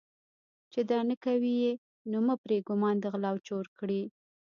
چې دا نه کوي یې نومه پرې ګومان د غله او چور کړي.